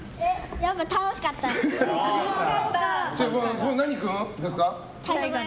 やっぱり楽しかったです。